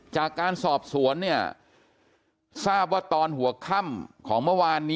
จากการสอบสวนเนี่ยทราบว่าตอนหัวค่ำของเมื่อวานนี้